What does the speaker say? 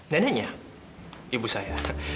neneknya ibu saya